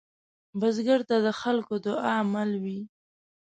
بزګر ته د خلکو دعاء مل وي